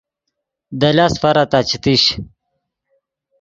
دے لاست فارا تا چے تیش